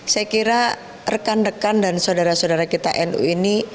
saya kira rekan rekan dan saudara saudara kita nu ini